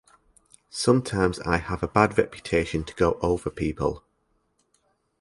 Sometimes I have a bad reputation to go over people.